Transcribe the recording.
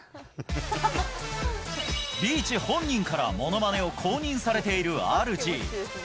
リーチ本人からものまねを公認されているＲＧ。